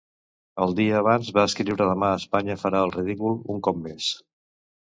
El dia abans va escriure demà Espanya farà el ridícul, un cop més.